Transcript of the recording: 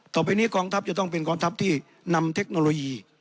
ต่อไปนี้กองทัพจะต้องเป็นกองทัพที่นำเทคโนโลยี